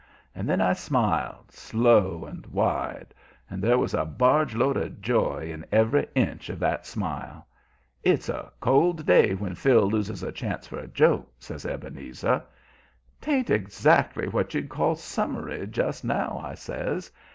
And then I smiled, slow and wide; there was a barge load of joy in every half inch of that smile. "It's a cold day when Phil loses a chance for a joke," says Ebenezer. "'Tain't exactly what you'd call summery just now," I says.